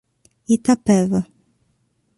Itapeva